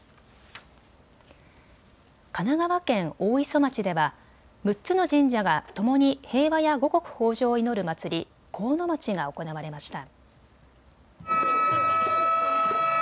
神奈川県大磯町では６つの神社がともに平和や五穀豊じょうを祈る祭り、国府祭が行われました。